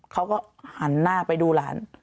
เขาก็หันหน้าไปดูหลาน